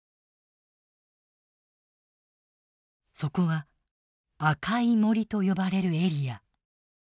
そこは「赤い森」と呼ばれるエリア。